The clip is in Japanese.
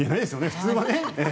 普通はね。